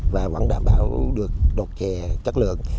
và vẫn đảm bảo được đột chè chất lượng